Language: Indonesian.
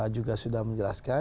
juga sudah menjelaskan